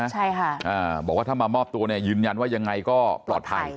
ใช่ค่ะอ่าบอกว่าถ้ามามอบตัวเนี่ยยืนยันว่ายังไงก็ปลอดภัย